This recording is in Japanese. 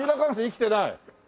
生きてない。